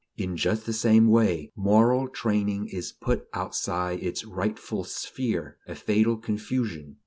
In just the same way, moral training is put outside its rightful sphere a fatal confusion.